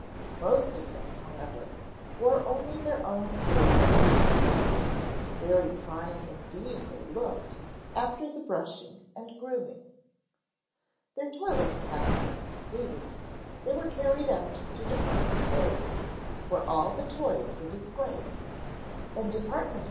Most of them, however, wore only their own furry coats. And very fine indeed they looked after all the brushing and grooming. Their toilets having been completed, they were carried out to Dept. A, where all the toys were displayed. And Dept.